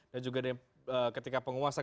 dan juga ketika penguasa